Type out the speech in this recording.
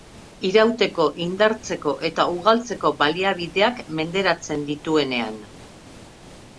Irauteko, indartzeko eta ugaltzeko baliabideak menderatzen dituenean.